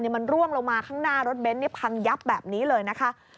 เนี้ยมันร่วมลงมาข้างหน้ารถเบนส์เนี้ยพังยับแบบนี้เลยนะคะ